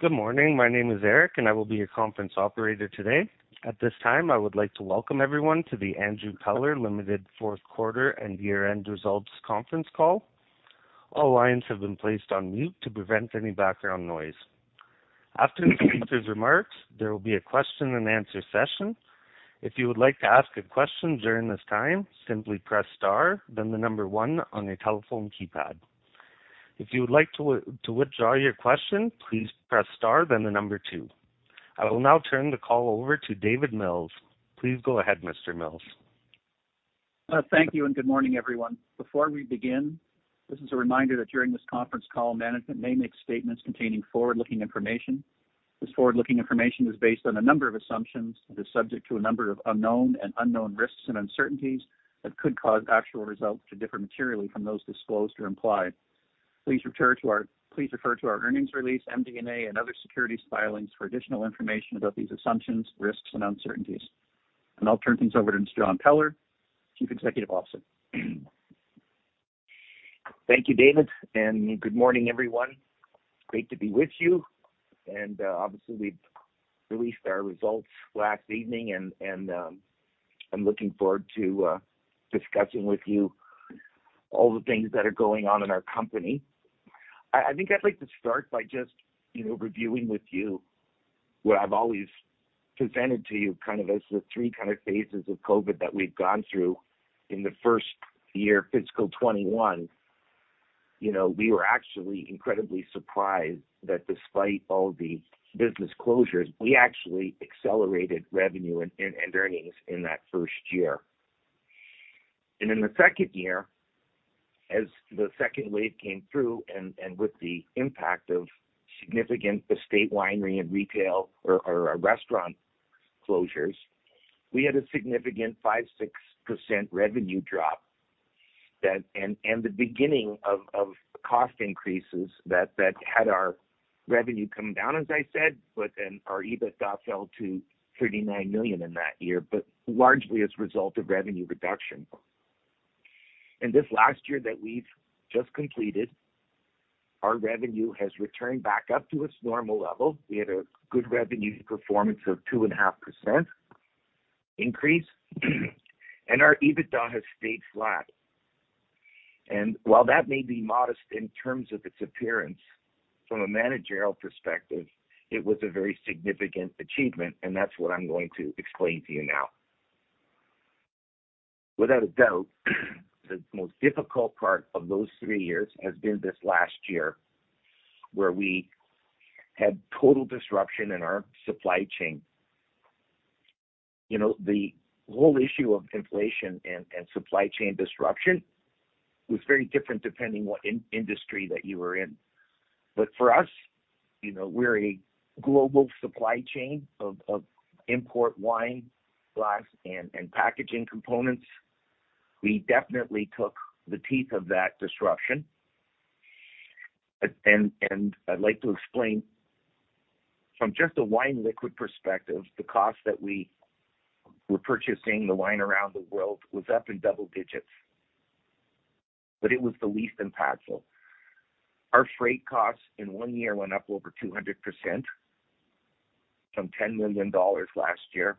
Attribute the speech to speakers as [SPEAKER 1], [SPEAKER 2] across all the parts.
[SPEAKER 1] Good morning. My name is Eric, and I will be your conference operator today. At this time, I would like to welcome everyone to the Andrew Peller Limited Fourth Quarter and Year-End Results Conference Call. All lines have been placed on mute to prevent any background noise. After the speaker's remarks, there will be a question and answer session. If you would like to ask a question during this time, simply press Star, then the number one on your telephone keypad. If you would like to withdraw your question, please press star, then the number two. I will now turn the call over to David Mills. Please go ahead, Mr. Mills.
[SPEAKER 2] Thank you. Good morning, everyone. Before we begin, this is a reminder that during this conference call, management may make statements containing forward-looking information. This forward-looking information is based on a number of assumptions and is subject to a number of unknown risks and uncertainties that could cause actual results to differ materially from those disclosed or implied. Please refer to our earnings release, MD&A and other securities filings for additional information about these assumptions, risks and uncertainties. I'll turn things over to John Peller, Chief Executive Officer.
[SPEAKER 3] Thank you, David, good morning, everyone. Great to be with you. Obviously we've released our results last evening and I'm looking forward to discussing with you all the things that are going on in our company. I think I'd like to start by just, you know, reviewing with you what I've always presented to you, kind of as the three kind of phases of COVID that we've gone through in the first year, fiscal 21. You know, we were actually incredibly surprised that despite all the business closures, we actually accelerated revenue and earnings in that first year. In the second year, as the second wave came through and with the impact of significant estate winery and retail or restaurant closures, we had a significant 5%-6% revenue drop. That, and the beginning of cost increases that had our revenue come down, as I said, our EBITDA fell to 39 million in that year, but largely as a result of revenue reduction. This last year that we've just completed, our revenue has returned back up to its normal level. We had a good revenue performance of 2.5% increase, and our EBITDA has stayed flat. While that may be modest in terms of its appearance, from a managerial perspective, it was a very significant achievement, and that's what I'm going to explain to you now. Without a doubt, the most difficult part of those three years has been this last year, where we had total disruption in our supply chain. You know, the whole issue of inflation and supply chain disruption was very different depending what industry that you were in. For us, you know, we're a global supply chain of import wine, glass and packaging components. We definitely took the teeth of that disruption. I'd like to explain from just a wine liquid perspective, the cost that we were purchasing the wine around the world was up in double digits, but it was the least impactful. Our freight costs in one year went up over 200% from 10 million dollars last year.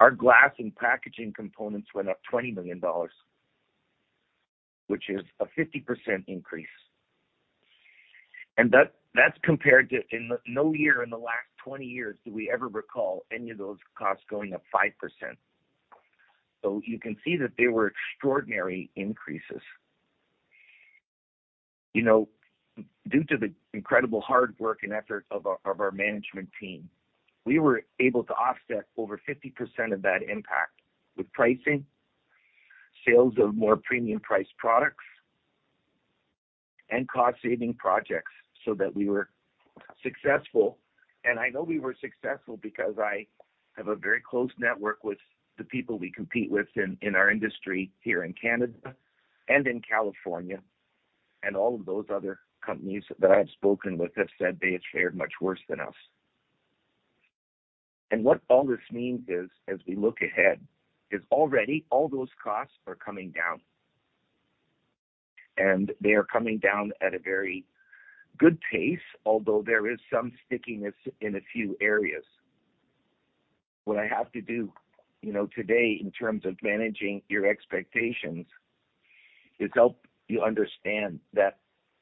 [SPEAKER 3] Our glass and packaging components went up 20 million dollars, which is a 50% increase, that's compared to in no year in the last 20 years, do we ever recall any of those costs going up 5%. You can see that they were extraordinary increases. You know, due to the incredible hard work and effort of our management team, we were able to offset over 50% of that impact with pricing, sales of more premium priced products and cost saving projects so that we were successful. I know we were successful because I have a very close network with the people we compete with in our industry here in Canada and in California. All of those other companies that I've spoken with have said they have fared much worse than us. What all this means is, as we look ahead, is already all those costs are coming down, and they are coming down at a very good pace, although there is some stickiness in a few areas. What I have to do, you know, today in terms of managing your expectations, is help you understand that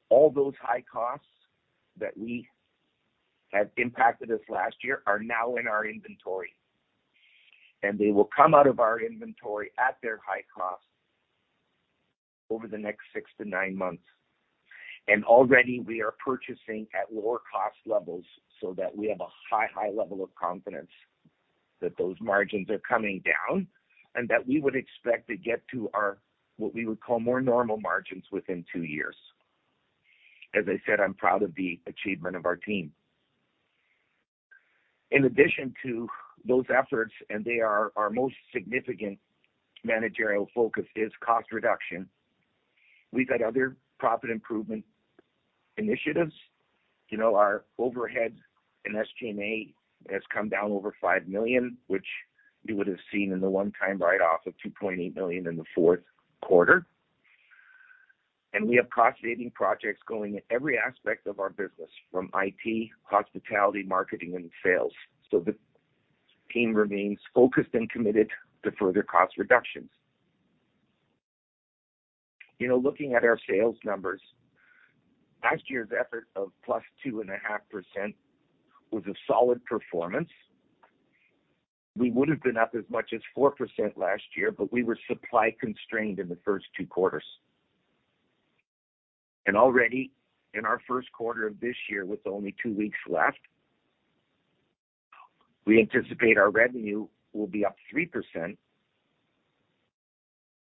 [SPEAKER 3] all those high costs that we have impacted us last year are now in our inventory, and they will come out of our inventory at their high cost over the next six to nine months. Already we are purchasing at lower cost levels so that we have a high level of confidence that those margins are coming down and that we would expect to get to our, what we would call more normal margins within two years. As I said, I'm proud of the achievement of our team. In addition to those efforts, and they are our most significant managerial focus, is cost reduction. We've had other profit improvement initiatives. You know, our overhead in SG&A has come down over 5 million. You would have seen in the one-time write-off of 2.8 million in the fourth quarter. We have cost-saving projects going in every aspect of our business, from IT, hospitality, marketing, and sales. The team remains focused and committed to further cost reductions. You know, looking at our sales numbers, last year's effort of plus 2.5% was a solid performance. We would have been up as much as 4% last year, but we were supply constrained in the first two quarters. Already in our first quarter of this year, with only two weeks left, we anticipate our revenue will be up 3%,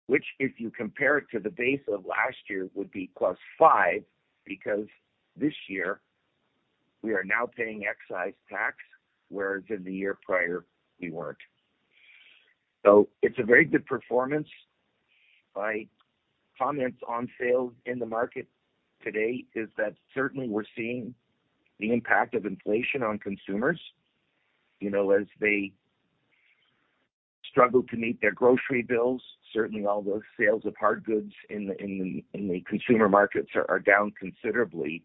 [SPEAKER 3] which, if you compare it to the base of last year, would be +5%, because this year we are now paying excise tax, whereas in the year prior, we weren't. It's a very good performance. My comments on sales in the market today is that certainly we're seeing the impact of inflation on consumers, you know, as they struggle to meet their grocery bills. Certainly all those sales of hard goods in the consumer markets are down considerably.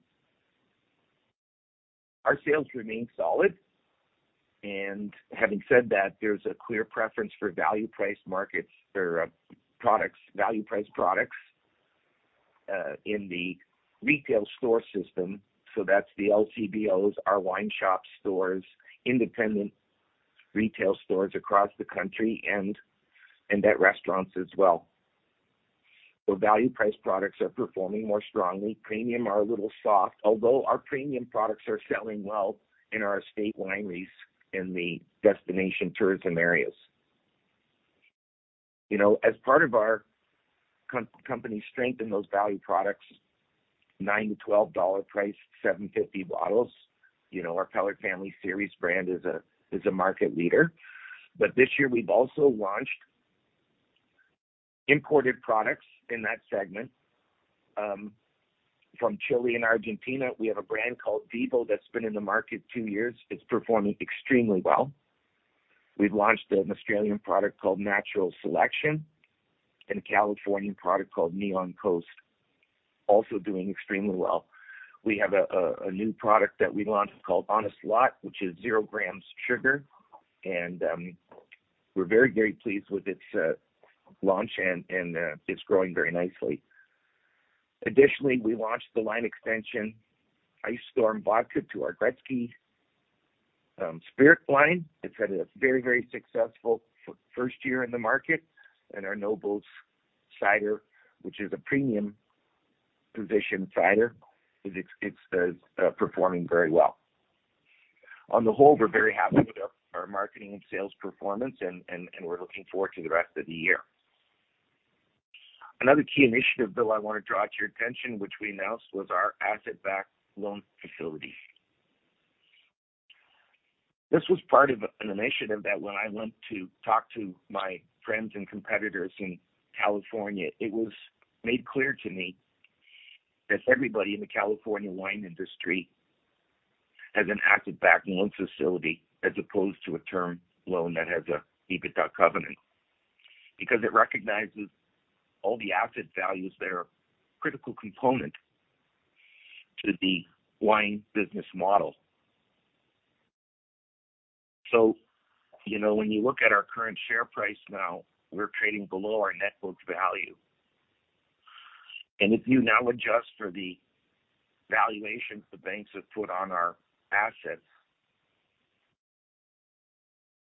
[SPEAKER 3] Our sales remain solid, and having said that, there's a clear preference for value priced markets or products, value priced products in the retail store system. That's the LCBOs, our wine shop stores, independent retail stores across the country and at restaurants as well, where value price products are performing more strongly. Premium are a little soft, although our premium products are selling well in our estate wineries in the destination tourism areas. You know, as part of our company's strength in those value products, 9-12 dollar price, 750 bottles. You know, our Peller Family Vineyards brand is a market leader. This year we've also launched imported products in that segment from Chile and Argentina. We have a brand called Vivo, that's been in the market two years. It's performing extremely well. We've launched an Australian product called Natural Selection, and a Californian product called Neon Coast, also doing extremely well. We have a new product that we launched called Honest Lot, which is zero grams sugar, and we're very, very pleased with its launch, and it's growing very nicely. Additionally, we launched the line extension, Ice Storm Vodka, to our Gretzky spirit line. It's had a very, very successful first year in the market. Our Noble cider, which is a premium positioned cider, is performing very well. On the whole, we're very happy with our marketing and sales performance, and we're looking forward to the rest of the year. Another key initiative, Bill, I want to draw to your attention, which we announced, was our asset-backed loan facility. This was part of an initiative that when I went to talk to my friends and competitors in California, it was made clear to me that everybody in the California wine industry has an asset-backed loan facility, as opposed to a term loan that has a EBITDA covenant, because it recognizes all the asset values there, critical component to the wine business model. You know, when you look at our current share price now, we're trading below our net book value. If you now adjust for the valuations the banks have put on our assets,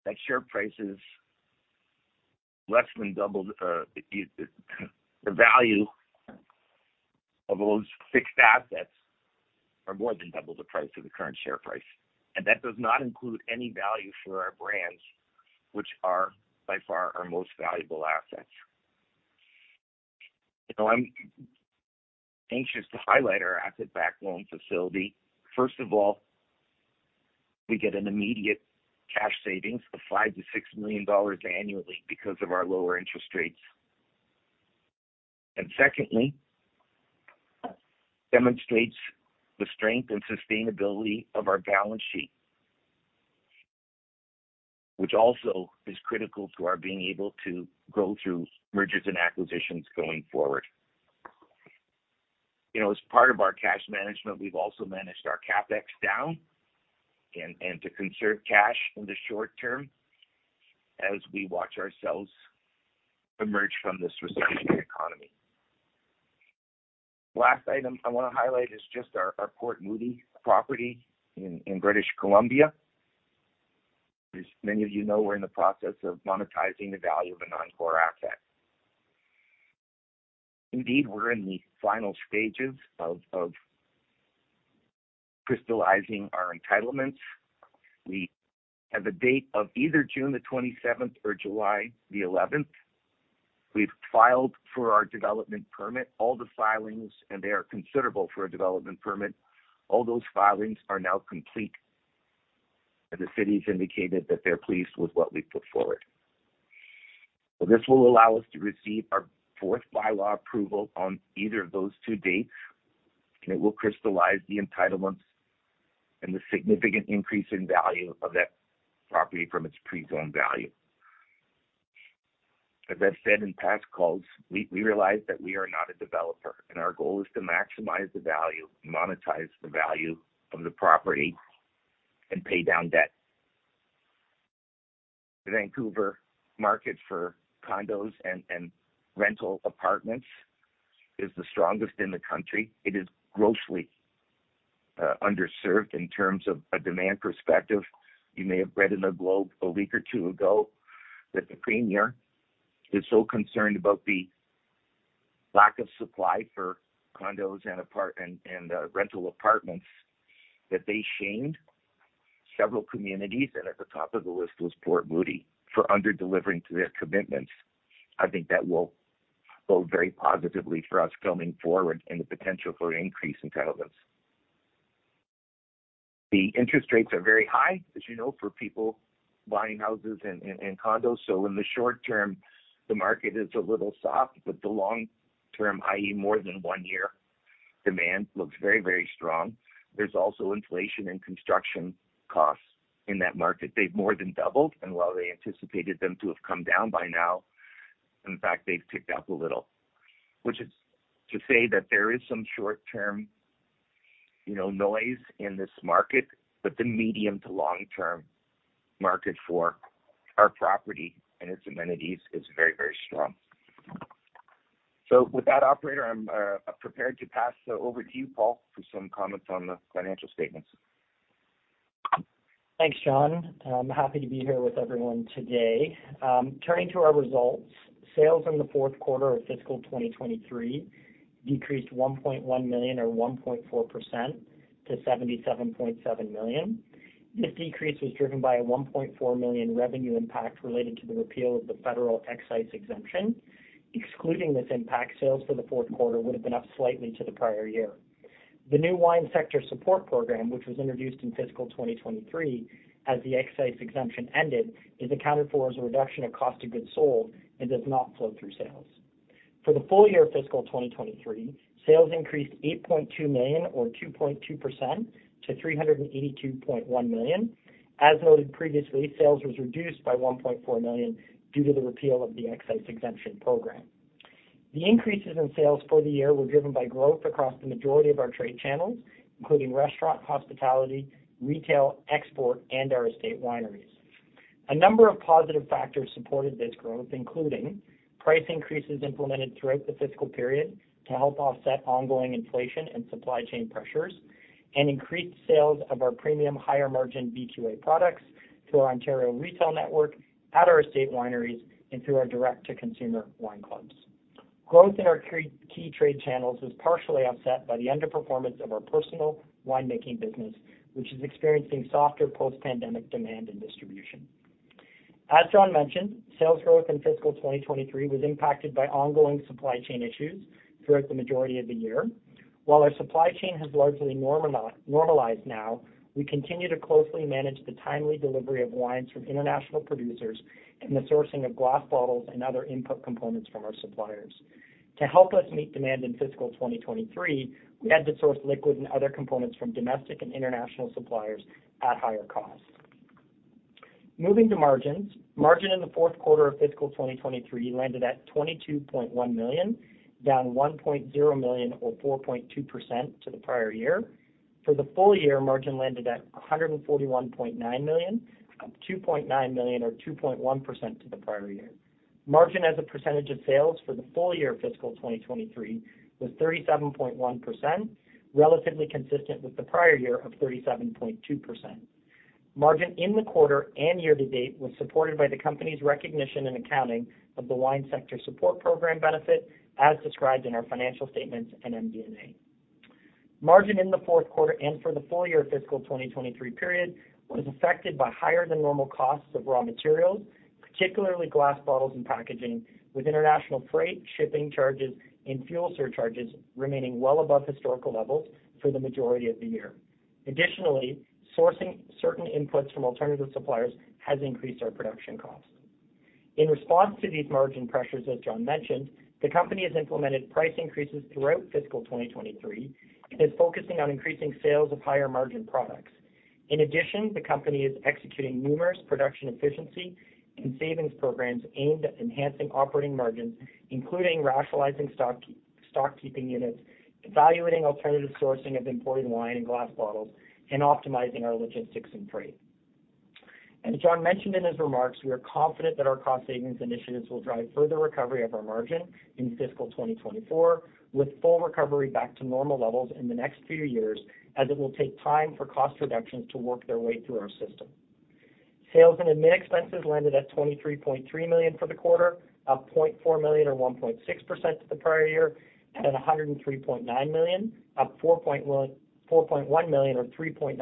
[SPEAKER 3] that share price is less than double, the value of those fixed assets are more than double the price of the current share price. I'm anxious to highlight our asset-backed loan facility. First of all, we get an immediate cash savings of 5 million-6 million dollars annually because of our lower interest rates. Secondly, demonstrates the strength and sustainability of our balance sheet, which also is critical to our being able to go through mergers and acquisitions going forward. You know, as part of our cash management, we've also managed our CapEx down and to conserve cash in the short term as we watch ourselves emerge from this recessionary economy. Last item I want to highlight is just our Port Moody property in British Columbia. As many of you know, we're in the process of monetizing the value of a non-core asset. Indeed, we're in the final stages of crystallizing our entitlements. We have a date of either June the 27th or July the 11th. We've filed for our development permit. All the filings, and they are considerable for a development permit, all those filings are now complete, and the city's indicated that they're pleased with what we've put forward. This will allow us to receive our fourth bylaw approval on either of those two dates, and it will crystallize the entitlements and the significant increase in value of that property from its pre-zoned value. As I've said in past calls, we realize that we are not a developer. Our goal is to maximize the value, monetize the value of the property and pay down debt. The Vancouver market for condos and rental apartments is the strongest in the country. It is grossly underserved in terms of a demand perspective. You may have read in The Globe a week or two ago that the premier is so concerned about the lack of supply for condos and rental apartments, that they shamed several communities. At the top of the list was Port Moody, for under-delivering to their commitments. I think that will bode very positively for us going forward and the potential for increased entitlements. The interest rates are very high, as you know, for people buying houses and condos. In the short term, the market is a little soft, but the long term, i.e., more than one year, demand looks very, very strong. There's also inflation and construction costs in that market. They've more than doubled, and while they anticipated them to have come down by now, in fact, they've ticked up a little, which is to say that there is some short-term, you know, noise in this market, but the medium to long-term market for our property and its amenities is very, very strong. With that, operator, I'm prepared to pass it over to you, Paul, for some comments on the financial statements.
[SPEAKER 4] Thanks, John. I'm happy to be here with everyone today. Turning to our results, sales in the fourth quarter of fiscal 2023 decreased 1.1 million, or 1.4%, to 77.7 million. This decrease was driven by a 1.4 million revenue impact related to the repeal of the federal excise exemption. Excluding this impact, sales for the fourth quarter would have been up slightly to the prior year. The new Wine Sector Support Program, which was introduced in fiscal 2023 as the excise exemption ended, is accounted for as a reduction of cost of goods sold and does not flow through sales. For the full year of fiscal 2023, sales increased 8.2 million, or 2.2%, to 382.1 million. As noted previously, sales was reduced by 1.4 million due to the repeal of the Excise Exemption Program. The increases in sales for the year were driven by growth across the majority of our trade channels, including restaurant, hospitality, retail, export, and our estate wineries. A number of positive factors supported this growth, including price increases implemented throughout the fiscal period to help offset ongoing inflation and supply chain pressures, and increased sales of our premium higher-margin VQA products to our Ontario retail network, at our estate wineries, and through our direct-to-consumer wine clubs. Growth in our key trade channels was partially offset by the underperformance of our Personal Winemaking Business, which is experiencing softer post-pandemic demand and distribution. As John mentioned, sales growth in fiscal 2023 was impacted by ongoing supply chain issues throughout the majority of the year. While our supply chain has largely normalized now, we continue to closely manage the timely delivery of wines from international producers and the sourcing of glass bottles and other input components from our suppliers. To help us meet demand in fiscal 2023, we had to source liquid and other components from domestic and international suppliers at higher costs. Moving to margins. Margin in the fourth quarter of fiscal 2023 landed at 22.1 million, down 1.0 million, or 4.2%, to the prior year. For the full year, margin landed at 141.9 million, up 2.9 million, or 2.1%, to the prior year. Margin as a percentage of sales for the full year of fiscal 2023 was 37.1%, relatively consistent with the prior year of 37.2%. Margin in the quarter and year-to-date was supported by the company's recognition and accounting of the Wine Sector Support Program benefit, as described in our financial statements and MD&A. Margin in the fourth quarter and for the full year of fiscal 2023 period was affected by higher-than-normal costs of raw materials, particularly glass bottles and packaging, with international freight, shipping charges and fuel surcharges remaining well above historical levels for the majority of the year. Additionally, sourcing certain inputs from alternative suppliers has increased our production costs. In response to these margin pressures, as John mentioned, the company has implemented price increases throughout fiscal 2023 and is focusing on increasing sales of higher-margin products. In addition, the company is executing numerous production efficiency and savings programs aimed at enhancing operating margins, including rationalizing stock-keeping units, evaluating alternative sourcing of imported wine and glass bottles, and optimizing our logistics and freight. As John mentioned in his remarks, we are confident that our cost savings initiatives will drive further recovery of our margin in fiscal 2024, with full recovery back to normal levels in the next few years, as it will take time for cost reductions to work their way through our system. Sales and admin expenses landed at 23.3 million for the quarter, up 0.4 million or 1.6% to the prior year, and at 103.9 million, up 4.1 million or 3.9%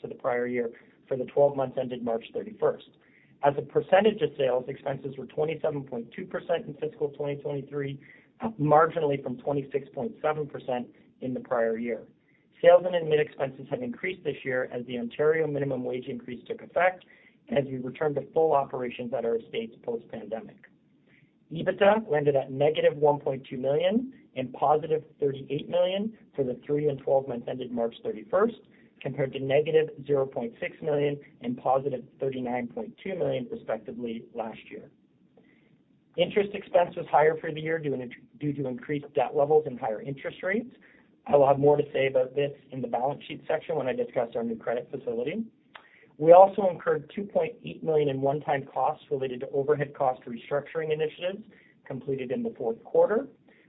[SPEAKER 4] to the prior year for the 12 months ended March 31st. As a percentage of sales, expenses were 27.2% in fiscal 2023, up marginally from 26.7% in the prior year. Sales and admin expenses have increased this year as the Ontario minimum wage increase took effect and as we return to full operations at our estates post-pandemic. EBITDA landed at -1.2 million and 38 million for the three and 12 months ended March 31st, compared to -0.6 million and 39.2 million, respectively, last year. Interest expense was higher for the year due to increased debt levels and higher interest rates. I'll have more to say about this in the balance sheet section when I discuss our new credit facility. We also incurred 2.8 million in one-time costs related to overhead cost restructuring initiatives completed in the fourth quarter.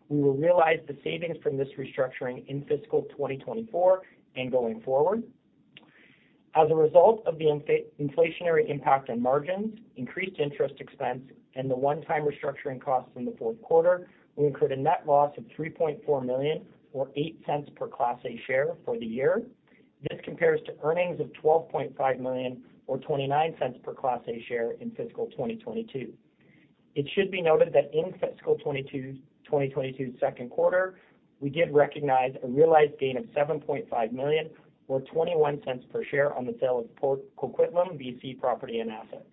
[SPEAKER 4] We will realize the savings from this restructuring in fiscal 2024 and going forward. As a result of the inflationary impact on margins, increased interest expense, and the one-time restructuring costs in the fourth quarter, we incurred a net loss of 3.4 million, or 0.08 per Class A share for the year. This compares to earnings of 12.5 million, or 0.29 per Class A share in fiscal 2022. It should be noted that in fiscal 2022's second quarter, we did recognize a realized gain of 7.5 million, or 0.21 per share on the sale of Port Coquitlam, BC, property and assets.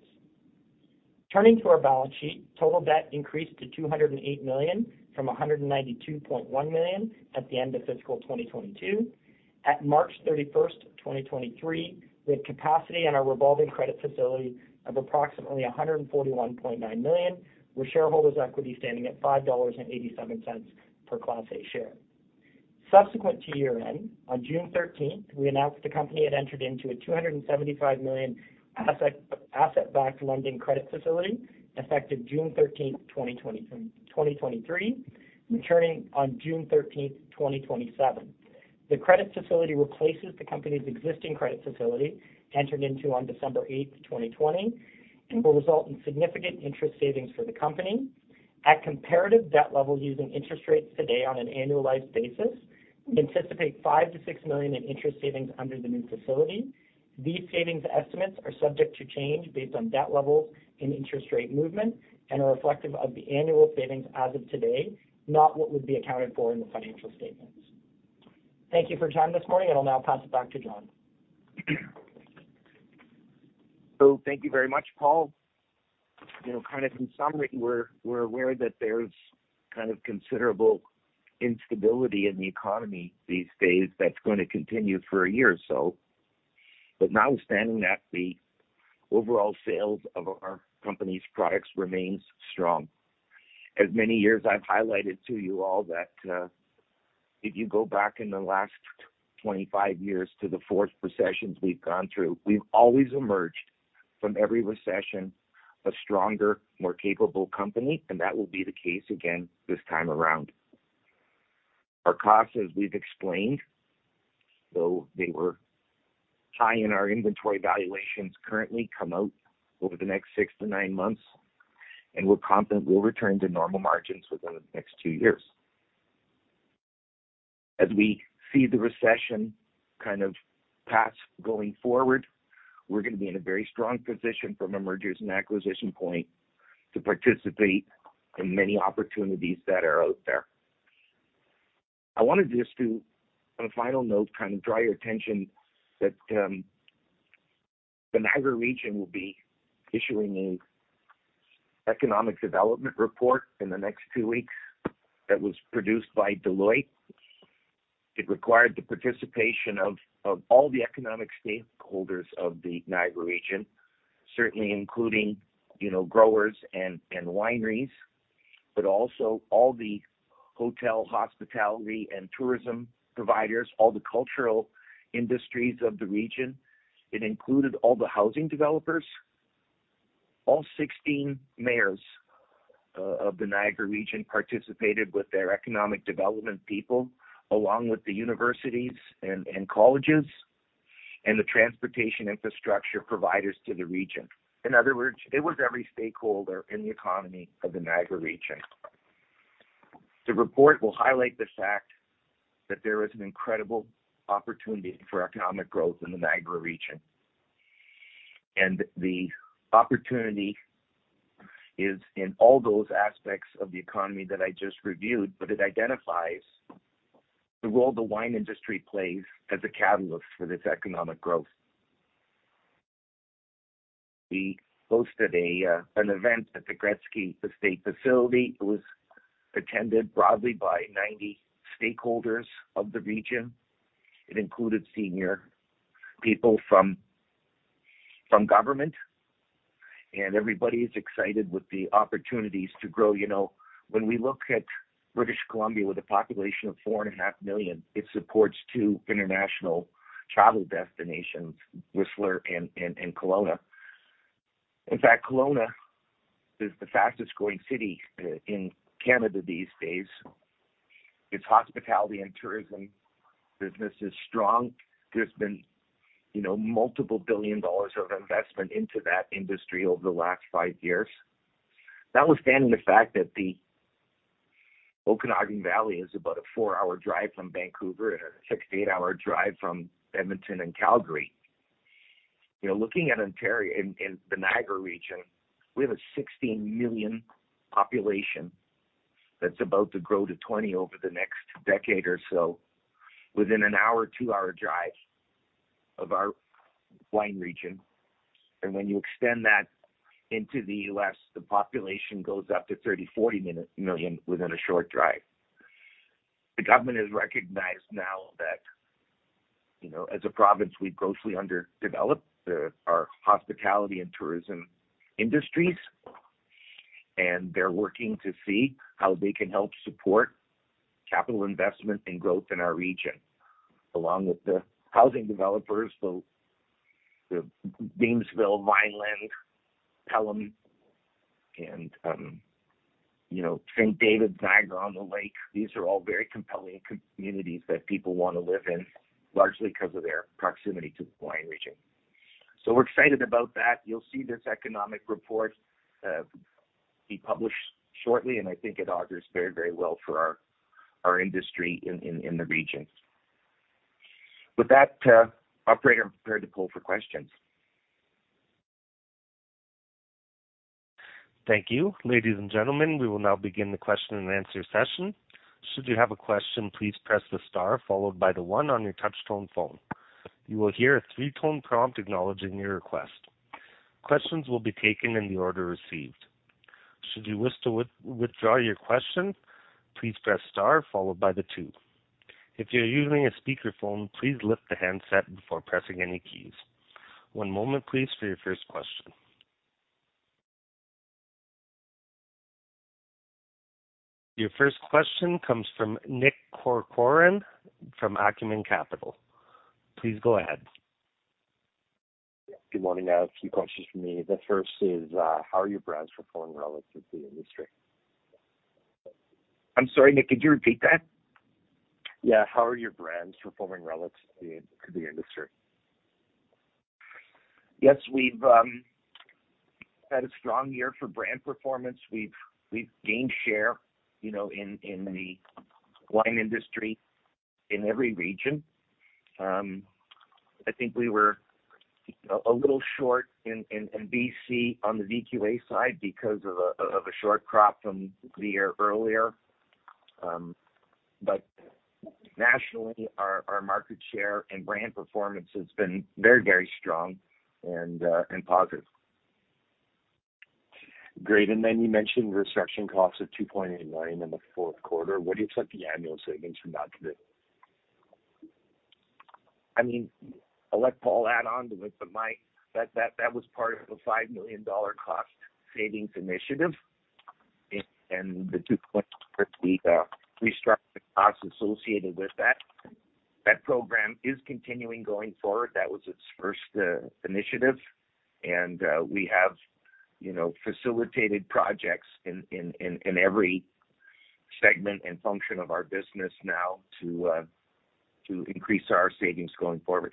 [SPEAKER 4] Turning to our balance sheet, total debt increased to 208 million from 192.1 million at the end of fiscal 2022. At March 31st, 2023, we had capacity on our revolving credit facility of approximately 141.9 million, with shareholders' equity standing at 5.87 dollars per Class A share. Subsequent to year-end, on June 13, we announced the company had entered into a 275 million asset-backed lending credit facility effective June 13, 2023, maturing on June 13, 2027. The credit facility replaces the company's existing credit facility, entered into on December 8, 2020, will result in significant interest savings for the company. At comparative debt level, using interest rates today on an annualized basis, we anticipate 5 million-6 million in interest savings under the new facility. These savings estimates are subject to change based on debt levels and interest rate movement and are reflective of the annual savings as of today, not what would be accounted for in the financial statements. Thank you for your time this morning. I'll now pass it back to John.
[SPEAKER 3] Thank you very much, Paul. You know, kind of in summary, we're aware that there's kind of considerable instability in the economy these days that's going to continue for a year or so. Notwithstanding that, the overall sales of our company's products remains strong. As many years I've highlighted to you all that, if you go back in the last 25 years to the fourth recessions we've gone through, we've always emerged from every recession a stronger, more capable company, and that will be the case again this time around. Our costs, as we've explained, though they were high in our inventory valuations, currently come out over the next six to nine months, and we're confident we'll return to normal margins within the next two years. As we see the recession kind of pass going forward, we're going to be in a very strong position from a mergers and acquisition point to participate in many opportunities that are out there. I wanted just to, on a final note, kind of draw your attention that the Niagara Region will be issuing an economic development report in the next two weeks that was produced by Deloitte. It required the participation of all the economic stakeholders of the Niagara Region, certainly including, you know, growers and wineries, but also all the hotel, hospitality and tourism providers, all the cultural industries of the region. It included all the housing developers. All 16 mayors of the Niagara Region participated with their economic development people, along with the universities and colleges and the transportation infrastructure providers to the region. In other words, it was every stakeholder in the economy of the Niagara Region. The report will highlight the fact that there is an incredible opportunity for economic growth in the Niagara Region, and the opportunity is in all those aspects of the economy that I just reviewed, but it identifies the role the wine industry plays as a catalyst for this economic growth. We hosted an event at the Gretzky Estate facility. It was attended broadly by 90 stakeholders of the region. It included senior people from government, and everybody is excited with the opportunities to grow. You know, when we look at British Columbia, with a population of 4.5 million, it supports two international travel destinations, Whistler and Kelowna. In fact, Kelowna is the fastest growing city in Canada these days. Its hospitality and tourism business is strong. There's been, you know, multiple billion dollars of investment into that industry over the last five years. Notwithstanding the fact that the Okanagan Valley is about a four-hour drive from Vancouver and a six to eight-hour drive from Edmonton and Calgary. You know, looking at Ontario in the Niagara region, we have a 16 million population that's about to grow to 20 over the next decade or so, within an hour or two-hour drive of our wine region. When you extend that into the U.S., the population goes up to 30-40 million within a short drive. The government has recognized now that, you know, as a province, we've grossly underdeveloped the our hospitality and tourism industries, and they're working to see how they can help support capital investment and growth in our region, along with the housing developers, the Beamsville, Vineland, Pelham, and you know, St. David's, Niagara-on-the-Lake. These are all very compelling communities that people want to live in, largely because of their proximity to the wine region. We're excited about that. You'll see this economic report be published shortly, and I think it augurs very, very well for our industry in the region. With that, operator, I'm prepared to pull for questions.
[SPEAKER 1] Thank you. Ladies and gentlemen, we will now begin the question and answer session. Should you have a question, please press the star followed by the one on your touchtone phone. You will hear a three-tone prompt acknowledging your request. Questions will be taken in the order received. Should you wish to withdraw your question, please press star followed by the two. If you're using a speakerphone, please lift the handset before pressing any keys. One moment, please, for your first question. Your first question comes from Nick Corcoran from Acumen Capital. Please go ahead.
[SPEAKER 5] Good morning. I have a few questions for me. The first is, how are your brands performing relative to the industry?
[SPEAKER 3] I'm sorry, Nick, could you repeat that?
[SPEAKER 5] Yeah. How are your brands performing relative to the, to the industry?
[SPEAKER 3] We've had a strong year for brand performance. We've gained share, you know, in the wine industry in every region. I think we were a little short in BC on the VQA side because of a short crop from the year earlier. Nationally, our market share and brand performance has been very strong and positive.
[SPEAKER 5] Great. Then you mentioned restructuring costs of 2.8 million in the fourth quarter. What do you expect the annual savings from that to be?
[SPEAKER 3] I mean, I'll let Paul add on to it, but that was part of a 5 million dollar cost savings initiative, and the 2.5, we restructured the costs associated with that. That program is continuing going forward. That was its first initiative, and we have, you know, facilitated projects in every segment and function of our business now to increase our savings going forward.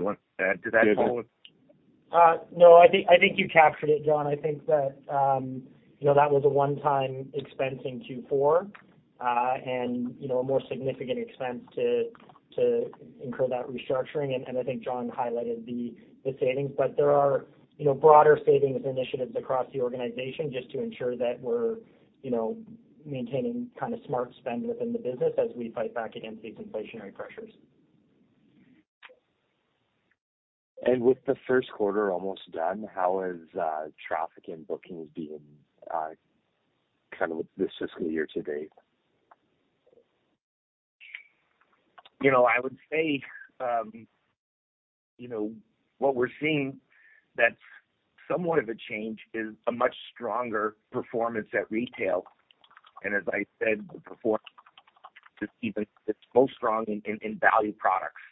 [SPEAKER 3] You want to add to that, Paul?
[SPEAKER 4] No, I think, I think you captured it, John. I think that, you know, that was a one-time expense in Q4, and, you know, a more significant expense to incur that restructuring, and I think John highlighted the savings. There are, you know, broader savings initiatives across the organization just to ensure that we're, you know, maintaining kind of smart spend within the business as we fight back against these inflationary pressures.
[SPEAKER 5] With the first quarter almost done, how is traffic and bookings being kind of this fiscal year to date?
[SPEAKER 3] You know, I would say, you know, what we're seeing that's somewhat of a change is a much stronger performance at retail. As I said before, it's even, it's most strong in, in value products.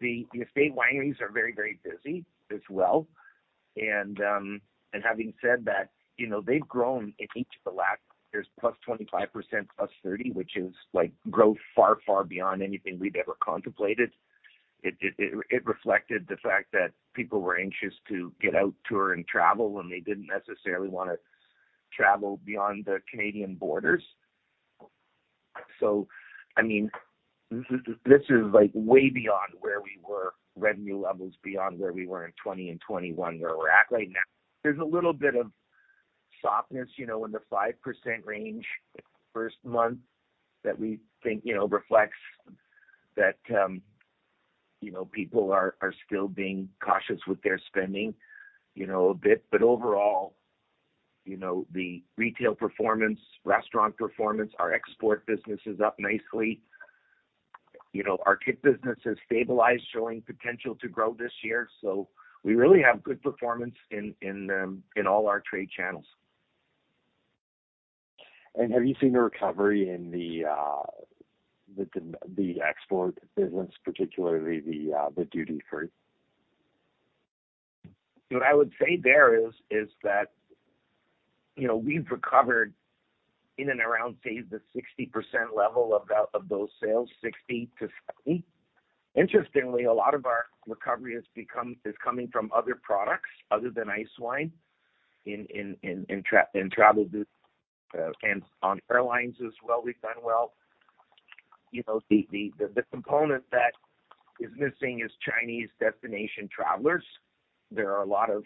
[SPEAKER 3] The estate wineries are very, very busy as well. Having said that, you know, they've grown in each of the last. There's plus 25%, plus 30%, which is like growth far, far beyond anything we've ever contemplated. It reflected the fact that people were anxious to get out, tour, and travel, and they didn't necessarily want to travel beyond the Canadian borders. I mean, this is, this is like way beyond where we were, revenue levels beyond where we were in 2020 and 2021, where we're at right now. There's a little bit of softness, you know, in the 5% range, the first month that we think, you know, reflects that, you know, people are still being cautious with their spending, you know, a bit. Overall, you know, the retail performance, restaurant performance, our export business is up nicely. You know, our TIC business has stabilized, showing potential to grow this year. We really have good performance in all our trade channels.
[SPEAKER 5] Have you seen a recovery in the export business, particularly the duty-free?
[SPEAKER 3] What I would say there is that, you know, we've recovered in and around, say, the 60% level of that, of those sales, 60%-70%. Interestingly, a lot of our recovery has become, is coming from other products other than ice wine, in travel goods, and on airlines as well, we've done well. You know, the component that is missing is Chinese destination travelers. There are a lot of,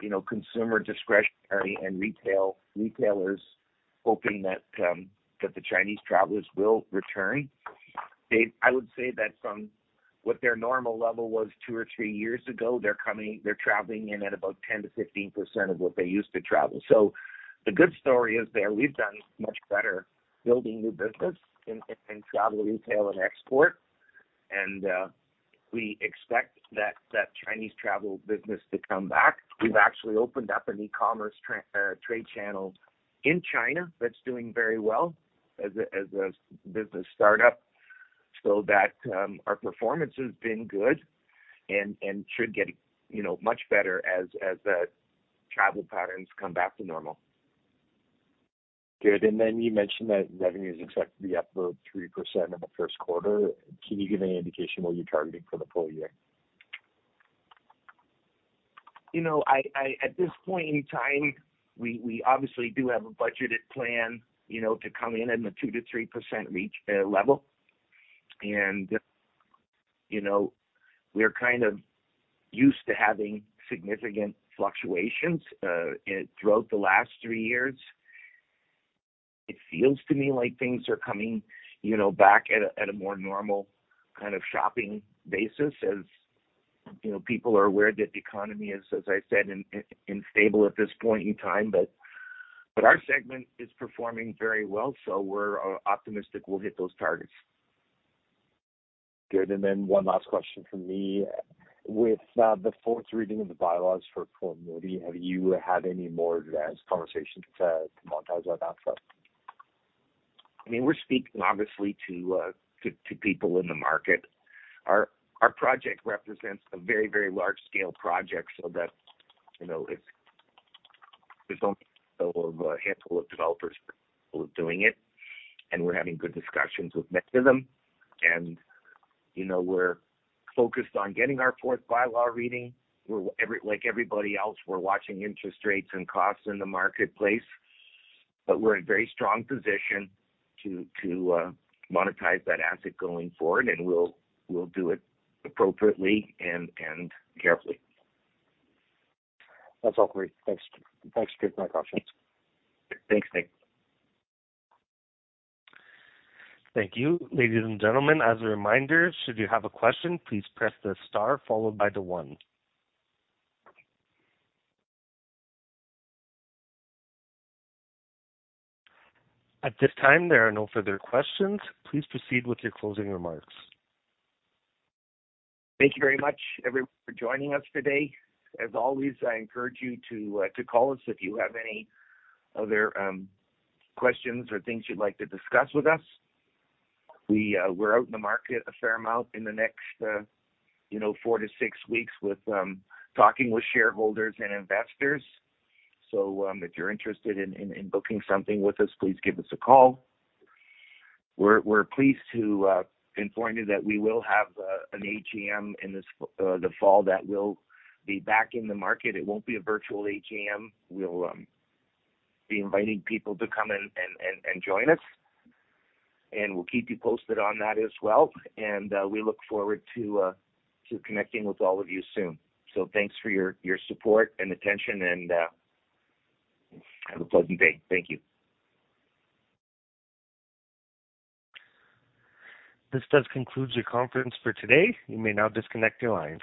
[SPEAKER 3] you know, consumer discretionary and retailers hoping that the Chinese travelers will return. I would say that from what their normal level was two or three years ago, they're coming, they're traveling in at about 10%-15% of what they used to travel. The good story is there, we've done much better building new business in travel, retail, and export. We expect that Chinese travel business to come back. We've actually opened up an e-commerce trade channel in China, that's doing very well as a business startup, so that, our performance has been good and should get, you know, much better as the travel patterns come back to normal.
[SPEAKER 5] Good. You mentioned that revenue is expected to be up about 3% in the first quarter. Can you give any indication what you're targeting for the full year?
[SPEAKER 3] You know, I, at this point in time, we obviously do have a budgeted plan, you know, to come in in the 2%-3% range level. You know, we're kind of used to having significant fluctuations throughout the last three years. It feels to me like things are coming, you know, back at a, at a more normal kind of shopping basis, as, you know, people are aware that the economy is, as I said, in unstable at this point in time, but our segment is performing very well, so we're optimistic we'll hit those targets.
[SPEAKER 5] Good. Then one last question from me. With the fourth reading of the bylaws for Port Moody, have you had any more advanced conversations to monetize that asset?
[SPEAKER 3] I mean, we're speaking obviously to people in the market. Our project represents a very, very large-scale project so that, you know, it's, there's only a handful of developers doing it, and we're having good discussions with most of them. You know, we're focused on getting our fourth bylaw reading. Like everybody else, we're watching interest rates and costs in the marketplace, but we're in a very strong position to monetize that asset going forward, and we'll do it appropriately and carefully.
[SPEAKER 5] That's all great. Thanks. Thanks for taking my questions.
[SPEAKER 3] Thanks, Nick.
[SPEAKER 1] Thank you. Ladies and gentlemen, as a reminder, should you have a question, please press the star followed by the 1. At this time, there are no further questions. Please proceed with your closing remarks.
[SPEAKER 3] Thank you very much, everyone, for joining us today. As always, I encourage you to call us if you have any other questions or things you'd like to discuss with us. We're out in the market a fair amount in the next, you know, four to six weeks with talking with shareholders and investors. If you're interested in booking something with us, please give us a call. We're pleased to inform you that we will have an AGM in the fall that will be back in the market. It won't be a virtual AGM. We'll be inviting people to come and join us, and we'll keep you posted on that as well. We look forward to connecting with all of you soon. Thanks for your support and attention, and, have a pleasant day. Thank you.
[SPEAKER 1] This does conclude your conference for today. You may now disconnect your lines.